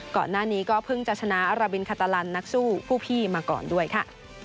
ก่อนหน้านี้ก็เพิ่งจะชนะอาราบินคาตาลันนักสู้ผู้พี่มาก่อนด้วยค่ะ